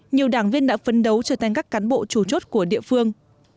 nhiều đảng viên đã phấn đấu trở thành các cán bộ chủ chốt của địa phương